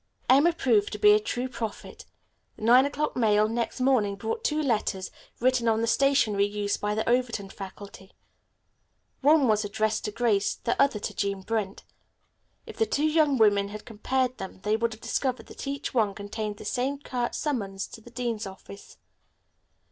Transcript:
Emma proved to be a true prophet. The nine o'clock mail next morning brought two letters written on the stationery used by the Overton faculty. One was addressed to Grace, the other to Jean Brent. If the two young women had compared them they would have discovered that each one contained the same curt summons to the dean's office.